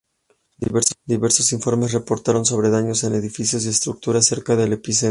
Diversos informes reportaron sobre daños en edificios y estructuras cerca del epicentro.